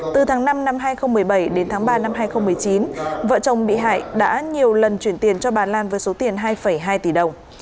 từ tháng năm năm hai nghìn một mươi bảy đến tháng ba năm hai nghìn một mươi chín vợ chồng bị hại đã nhiều lần chuyển tiền cho bà lan với số tiền hai hai tỷ đồng